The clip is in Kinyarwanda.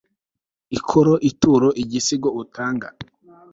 Ikoro ituro igisigo utanga